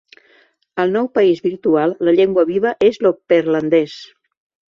Al nou país virtual la llengua viva és l'opperlandès.